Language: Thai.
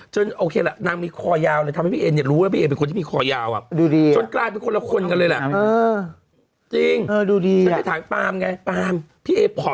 โอเคล่ะนางมีคอยาวเลยทำให้พี่เอ็นเนี่ยรู้ว่าพี่เอเป็นคนที่มีคอยาวจนกลายเป็นคนละคนกันเลยแหละ